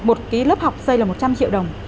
một cái lớp học xây là một trăm linh triệu đồng